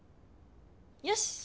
よし！